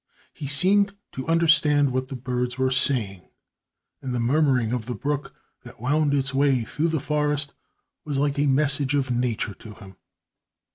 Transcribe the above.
He seemed to understand what the birds were saying, and the murmuring of the brook that wound its way through the forest was like a message of Nature to him.